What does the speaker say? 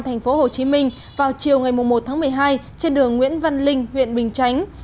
tp hcm vào chiều ngày một một mươi hai trên đường nguyễn văn linh huyện bình chánh